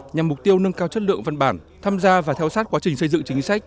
nhằm mục tiêu nâng cao chất lượng văn bản tham gia và theo sát quá trình xây dựng chính sách